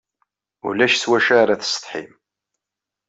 Ulac s wacu ara tessetḥim.